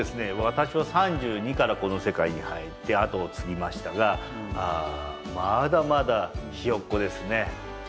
私は３２からこの世界に入って後を継ぎましたがまだまだひよっこですね。